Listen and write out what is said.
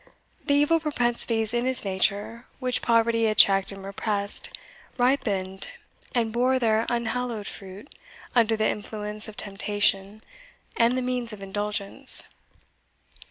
The evil propensities in his nature, which poverty had checked and repressed, ripened and bore their unhallowed fruit under the influence of temptation and the means of indulgence.